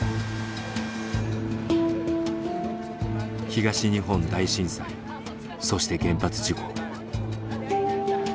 東日本大震災そして原発事故。